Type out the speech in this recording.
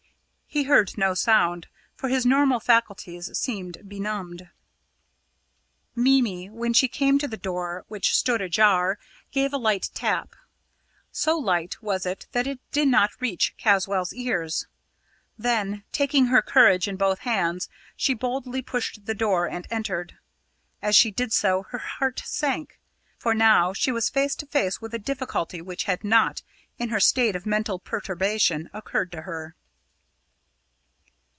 He heard no sound, for his normal faculties seemed benumbed. Mimi, when she came to the door, which stood ajar, gave a light tap. So light was it that it did not reach Caswall's ears. Then, taking her courage in both hands, she boldly pushed the door and entered. As she did so, her heart sank, for now she was face to face with a difficulty which had not, in her state of mental perturbation, occurred to her.